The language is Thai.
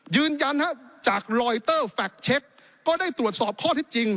ยืนยันจากลอยเตอร์แฟคเช็คก็ได้ตรวจสอบข้อที่จริง